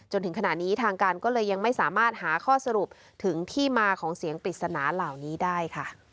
จนถึงขณะนี้ทางการก็เลยยังไม่สามารถหาข้อสรุปถึงที่มาของเสียงปริศนาเหล่านี้ได้ค่ะ